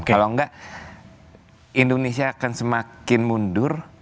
kalau enggak indonesia akan semakin mundur